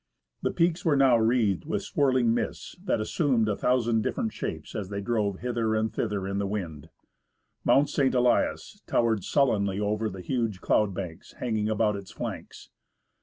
The peaks were now wreathed with swirling mists that assumed a thousand different shapes as they drove hither and thither in the wind. Mount St. Elias towered sullenly over the huge cloud banks hanging about its flanks.